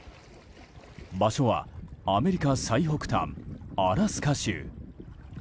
場所はアメリカ最北端アラスカ州。